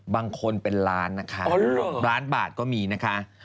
บางคนเป็นล้านนะคะล้านบาทก็มีนะคะ